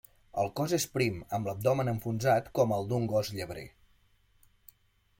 El cos és prim, amb l'abdomen enfonsat com el d'un gos llebrer.